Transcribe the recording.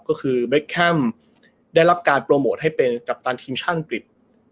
ก็คือเบคแคมได้รับการโปรโมทให้เป็นกัปตันทีมชาติอังกฤษ